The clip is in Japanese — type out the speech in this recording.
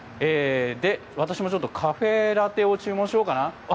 私もちょっとカフェラテを注文しようかな？